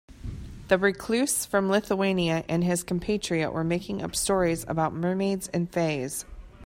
The recluse from Lithuania and his compatriot were making up stories about mermaids and fays.